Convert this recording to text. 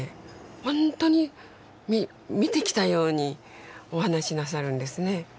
ほんとに見てきたようにお話しなさるんですね。